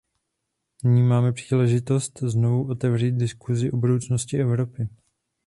Nyní máme příležitost znovu otevřít diskusi o budoucnosti Evropy.